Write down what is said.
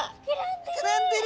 膨らんでる！